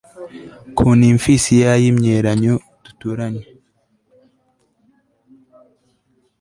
ku nymphs ya y'imyelayo duturanye